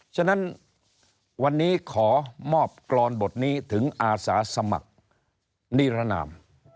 ฉะนั้นวันนี้ขอมอบกรอนบทนี้ถึงอาสาสมัครนิรนาม